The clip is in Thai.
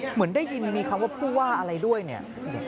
เหมือนได้ยินมีคำว่าผู้ว่าอะไรด้วยเนี่ย